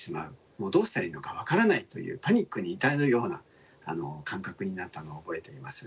どうしたらいいのか分からないというパニックに至るような感覚になったのを覚えています。